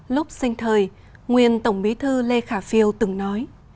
lúc sinh thời nguyên tổng bí thư lê khả phiêu từng nói